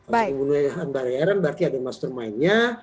pembunuhan bayaran berarti ada mastermind nya